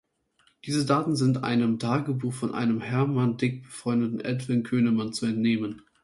Diese Daten sind einem Tagebuch, vom mit Hermann Dick befreundeten Edwin Könemann zu entnehmen.